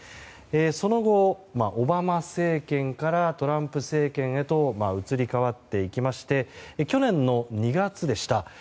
その後、オバマ政権からトランプ政権へと移り変わっていきまして去年の２月でした。